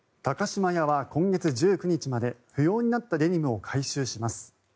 高島屋は今月１９日まで不要になったデニムを回収します。